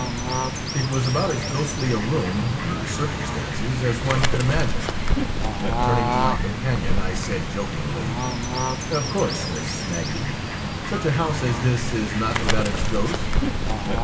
It was about as ghostly a room under the circumstances as one could imagine, and turning to my companion I said jokingly :' Of course, Miss Maggie, such a house as this is not with out its ghost